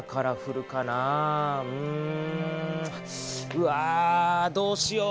うわどうしよう？